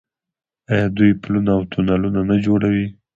آیا دوی پلونه او تونلونه نه جوړوي؟